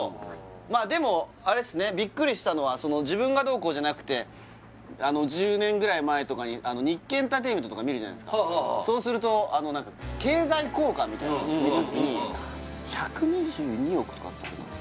まあでもあれですねビックリしたのは自分がどうこうじゃなくて１０年ぐらい前に日経エンタテイメント！とか見るじゃないですかそうすると経済効果みたいなところ見た時に１２２億とかだったかな